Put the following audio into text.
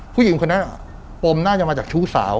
ผู้หญิงคนนั้นปมน่าจะมาจากชู้สาว